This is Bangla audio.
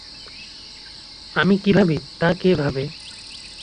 আমি কি ভাবি তা কে ভাবে?